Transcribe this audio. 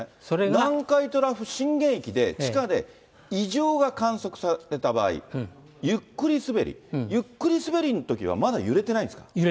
南海トラフ震源域で、地下で異常が観測された場合、ゆっくりすべり、ゆっくりすべりのときは、まだ揺れてないんですか？